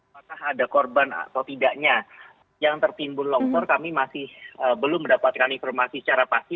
apakah ada korban atau tidaknya yang tertimbun longsor kami masih belum mendapatkan informasi secara pasti